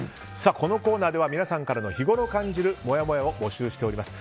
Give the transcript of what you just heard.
このコーナーでは皆さんからの日ごろ感じるもやもやを募集しています。